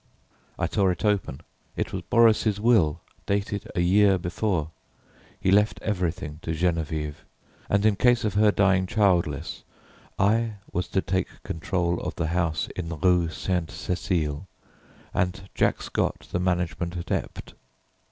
I tore it open. It was Boris' will dated a year before. He left everything to Geneviève, and in case of her dying childless, I was to take control of the house in the Rue Sainte Cécile, and Jack Scott the management at Ept.